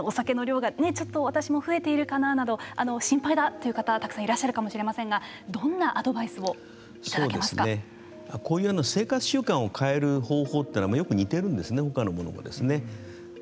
お酒の量がちょっと私も増えているかななど心配だという方はたくさんいるかもしれませんがどんなこういう生活習慣を変える方法というのはよく似ているんですねほかのものも。